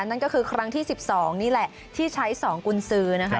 นั่นก็คือครั้งที่๑๒นี่แหละที่ใช้๒กุญสือนะคะ